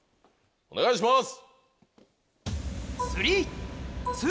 お願いします！